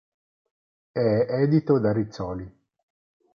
È edito da Rizzoli.